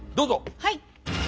はい！